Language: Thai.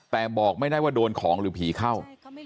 แต่บอกไม่ได้ว่าโดนของหรือผีเข้า